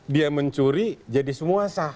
dia mencuri jadi semua sah